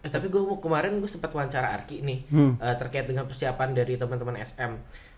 tapi gue kemarin sempat wawancara arki nih terkait dengan persiapan dari temen temen sm